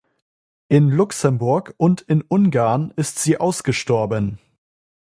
In Luxemburg und in Ungarn ist sie ausgestorben.